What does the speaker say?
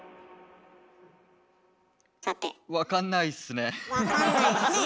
さて。わかんないっすねえ。